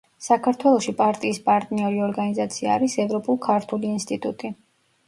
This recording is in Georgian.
საქართველოში პარტიის პარტნიორი ორგანიზაცია არის ევროპულ-ქართული ინსტიტუტი.